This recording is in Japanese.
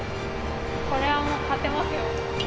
これはもう勝てますよ。